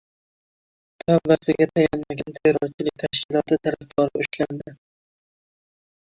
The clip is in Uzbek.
“Tavbasiga tayanmagan” terrorchilik tashkiloti tarafdori ushlandi